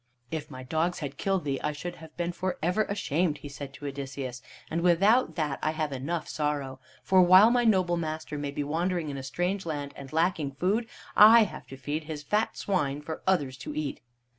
"If my dogs had killed thee I should have been for ever ashamed," he said to Odysseus, "and without that I have enough sorrow. For while my noble master may be wandering in a strange land and lacking food, I have to feed his fat swine for others to eat."